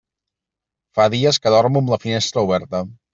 Fa dies que dormo amb la finestra oberta.